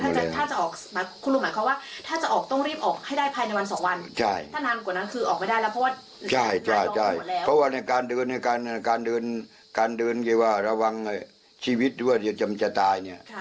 เพราะว่าการเดินคือว่าระวังชีวิตว่าจะจำจะตายเนี่ย